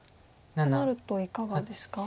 となるといかがですか？